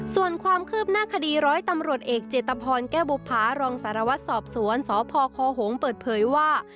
ส่วนความคืบหน้าคดีร้อยตำรวจเอกเจตพรแก้วบุภารองสารวัตรสอบสวนสพคหงษ์เปิดเผยว่า